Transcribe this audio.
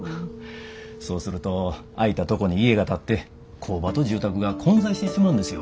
そうすると空いたとこに家が建って工場と住宅が混在してしまうんですよ。